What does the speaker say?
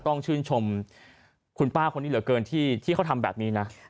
ต้องชื่นชมคุณป้าคนนี้เหลือเกินที่เขาทำแบบนี้นะ